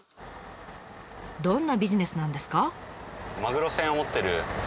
どんなビジネスなんですか？